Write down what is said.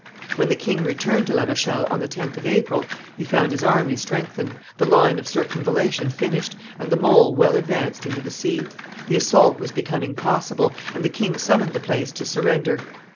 When the king returned to La Rochelle on the 10th of April, he found his army strengthened, the line of circumvallation finished, and the mole well advanced into the sea; the assault was becoming possible, and the king summoned the place to surrender.